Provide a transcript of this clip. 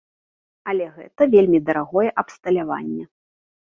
Але гэта вельмі дарагое абсталяванне.